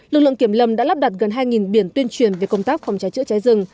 lực lượng kiểm lâm đã lắp đặt gần hai biển tuyên truyền về công tác phòng cháy chữa cháy rừng